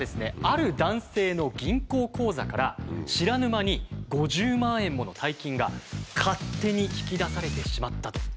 ある男性の銀行口座から知らぬ間に５０万円もの大金が勝手に引き出されてしまったというんです。